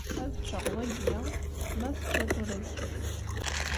Ad ččeɣ wagi, ma teččiḍ-t ula d kečč.